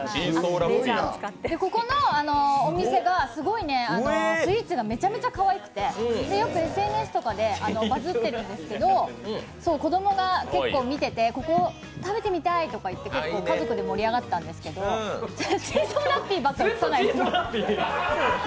ここのお店がスイーツがめちゃめちゃかわいくて、よくＳＮＳとかでバズってるんですけど、子供が結構見ていてここ食べてみたいとかいって結構、家族で盛り上がってたんですけどチーソーラッピーばかり映さないでください。